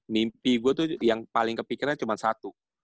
mimpi gue tuh yang paling kepikirannya cuma satu